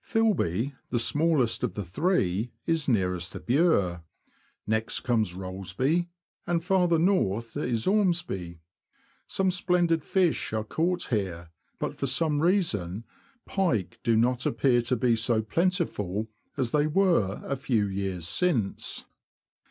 Filby, the smallest of the three, is nearest the Bure ; next comes Rollesby ; and farther north is Ormsby. Some splendid fish are caught here, but for some reason pike do not appear to be so plentiful as they were a few years since.